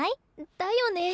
だよねえ。